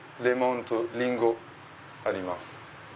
レモンとりんごあります。